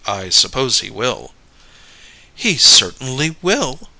"I suppose he will." "He certainly will!"